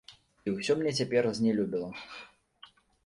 І ўсё мне цяпер знелюбела.